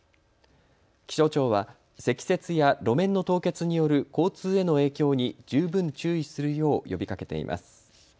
気象庁は積雪や路面の凍結による交通への影響に十分注意するよう呼びかけています。